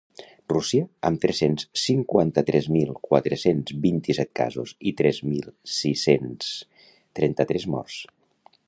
Rússia, amb tres-cents cinquanta-tres mil quatre-cents vint-i-set casos i tres mil sis-cents trenta-tres morts.